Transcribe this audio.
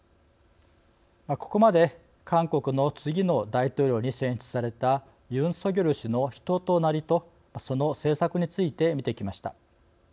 ここまで韓国の次の大統領に選出されたユン・ソギョル氏の人となりとその政策について見てきました。